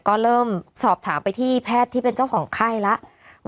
ก็เริ่มสอบถามไปที่แพทย์ที่เป็นเจ้าของไข้แล้ว